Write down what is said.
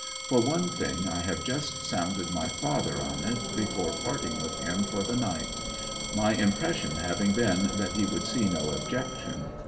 For one thing, I have just sounded my father on it before parting with him for the night, my impression having been that he would see no objection.